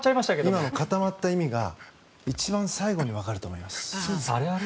今の固まった意味が一番最後にわかると思います。